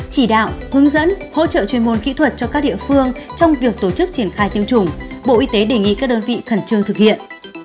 chỉ đạo hướng dẫn hỗ trợ chuyên môn kỹ thuật cho các địa phương trong việc tổ chức triển khai tiêm chủng bộ y tế đề nghị các đơn vị khẩn trương thực hiện